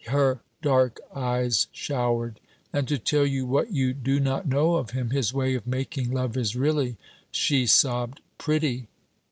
Her dark eyes showered. 'And to tell you what you do not know of him, his way of making love is really,' she sobbed, 'pretty.